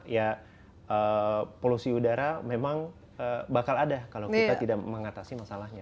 ya polusi udara memang bakal ada kalau kita tidak mengatasi masalahnya